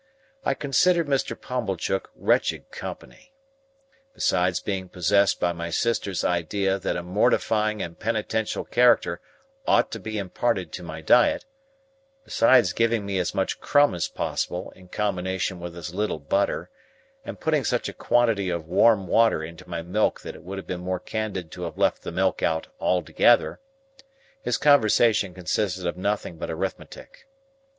I considered Mr. Pumblechook wretched company. Besides being possessed by my sister's idea that a mortifying and penitential character ought to be imparted to my diet,—besides giving me as much crumb as possible in combination with as little butter, and putting such a quantity of warm water into my milk that it would have been more candid to have left the milk out altogether,—his conversation consisted of nothing but arithmetic.